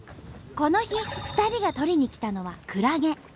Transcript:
この日２人が捕りに来たのはクラゲ。